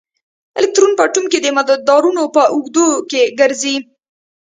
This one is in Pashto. الکترون په اټوم کې د مدارونو په اوږدو کې ګرځي.